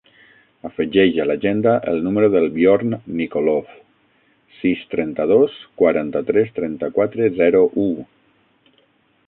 Afegeix a l'agenda el número del Bjorn Nikolov: sis, trenta-dos, quaranta-tres, trenta-quatre, zero, u.